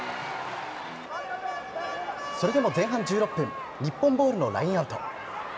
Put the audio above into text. それでも前半１６分、日本ボールのラインアウト。